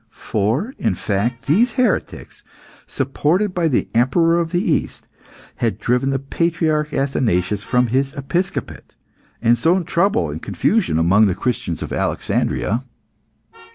For, in fact, these heretics, supported by the Emperor of the East, had driven the patriarch Athanasius from his episcopate, and sown trouble and confusion among the Christians of Alexandria.